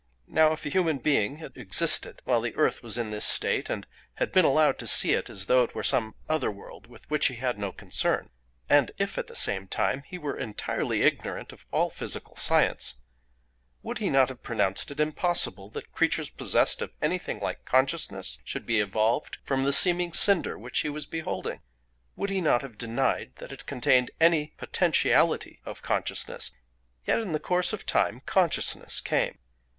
Now if a human being had existed while the earth was in this state and had been allowed to see it as though it were some other world with which he had no concern, and if at the same time he were entirely ignorant of all physical science, would he not have pronounced it impossible that creatures possessed of anything like consciousness should be evolved from the seeming cinder which he was beholding? Would he not have denied that it contained any potentiality of consciousness? Yet in the course of time consciousness came.